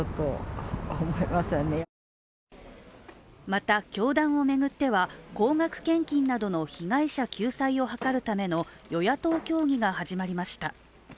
また教団を巡っては、高額献金などの被害者救済を図るため与野党協議が始まりました。